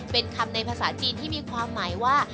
เป็นคำในภาษาจีนที่มีความหมายว่า